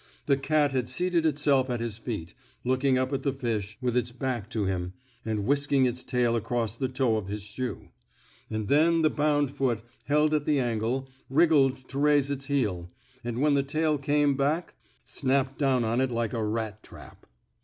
The cat had seated itself at his feet, looking up at the fish, with its back to him, and whisking its tail across the toe of his shoe. And then the bound foot, held at the ankle, wriggled to raise its heel, and, when the tail came back, snapped down on it like a rat trap.